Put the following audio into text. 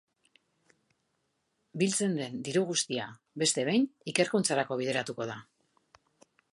Biltzen den diru guztia, beste behin, ikerkuntzarako bideratuko da.